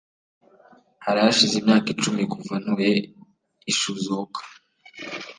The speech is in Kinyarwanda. Hari hashize imyaka icumi kuva ntuye i Shizuoka.